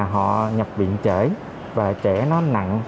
họ nhập viện trễ và trễ nó nặng